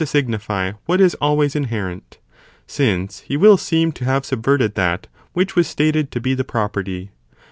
Signify what is always inherent, since he will seem nae _ is to have subverted that, which was stated to be very nature of the property.